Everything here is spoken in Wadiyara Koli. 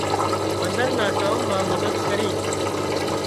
منۮر نا ڪام مان مدد ڪري